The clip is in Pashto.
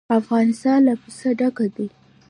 افغانستان له پسه ډک دی.